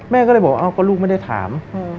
แม่ก็เลยบอกเอ้าก็ลูกไม่ได้ถาม